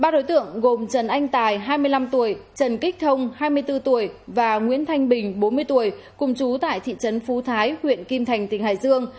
ba đối tượng gồm trần anh tài hai mươi năm tuổi trần kích thông hai mươi bốn tuổi và nguyễn thanh bình bốn mươi tuổi cùng chú tại thị trấn phú thái huyện kim thành tỉnh hải dương